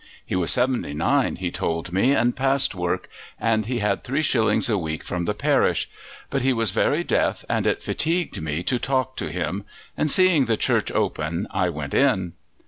He was seventy nine, he told me, and past work, and he had three shillings a week from the parish; but he was very deaf and it fatigued me to talk to him, and seeing the church open I went in.